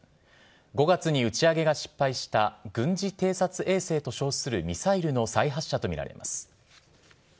５月に打ち上げが失敗した軍事偵察衛星と称するミサイルの再発射と見られます。